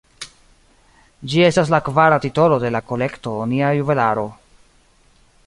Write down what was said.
Ĝi estas la kvara titolo de la kolekto Nia Juvelaro.